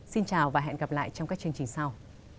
xin chào và hẹn gặp lại trong các chương trình sau